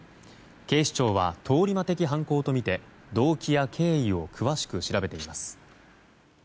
警視庁は通り魔的犯行とみて動機や経緯を詳しく調べています。